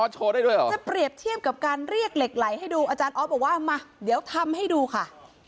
จะเปรียบเทียบกับการเรียกเหล็กไหลให้ดูอาจารย์ออฟบอกว่ามาเดี๋ยวทำให้ดูค่ะ